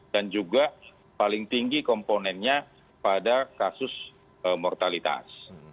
dan juga paling tinggi komponennya pada kasus mortalitas